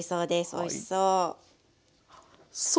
おいしそう。